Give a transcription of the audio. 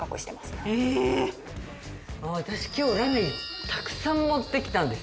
私今日ラメたくさん持って来たんですよ。